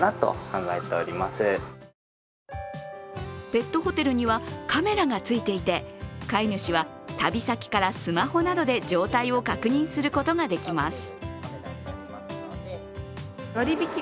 ペットホテルにはカメラが付いていて、飼い主は、旅先からスマホなどで状態を確認することができます。